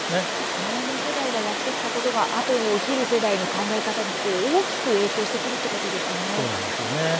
前の世代のやってきたことが後の世代を生きる世代の考え方に大きく影響してくるということですね。